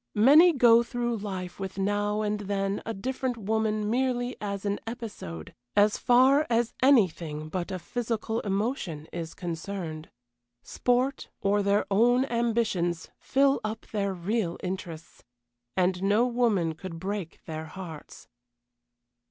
Many go through life with now and then a different woman merely as an episode, as far as anything but a physical emotion is concerned. Sport, or their own ambitions, fill up their real interests, and no woman could break their hearts.